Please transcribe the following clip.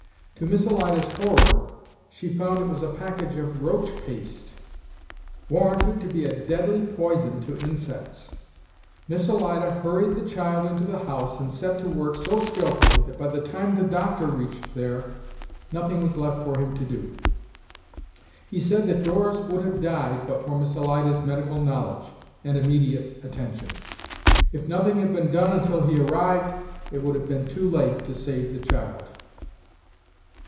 To Miss Alida's horror, she found it was a package of roach paste, warranted to be a deadly poison to insects. Miss Alida hurried the child into the house and set to work so skilfully that by the time the doctor reached there, nothing was left for him to do. He said that Doris would have died but for Miss Alida's medical knowledge and immediate attention. If nothing had been done until he arrived, it would have been too late to save the child.